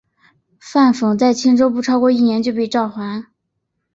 范讽在青州不超过一年就被召还。